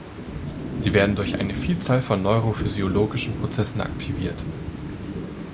Sie werden durch eine Vielzahl von neurophysiologischen Prozessen aktiviert.